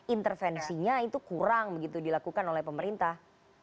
intervensinya itu kurang begitu dilakukan oleh pemerintah